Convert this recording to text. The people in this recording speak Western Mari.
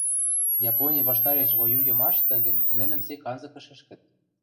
Япони ваштареш воюйымашты гӹнь нӹнӹм сек анзыкы шӹшкӹт.